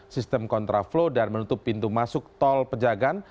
sistem kontraflow dan menutup pintu masuk tol pejagaan